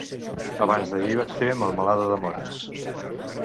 abans d'ahir vaig fer melmelada de mores